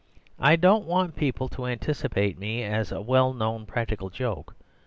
I don't want people to anticipate me as a well known practical joke.